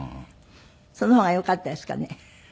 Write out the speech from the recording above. その方がよかったですかね。